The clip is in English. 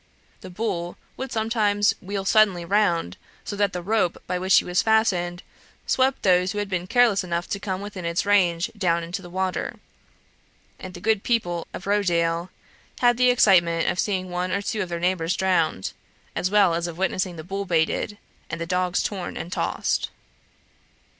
The bull would sometimes wheel suddenly round, so that the rope by which he was fastened swept those who had been careless enough to come within its range down into the water, and the good people of Rochdale had the excitement of seeing one or two of their neighbours drowned, as well as of witnessing the bull baited, and the dogs torn and tossed.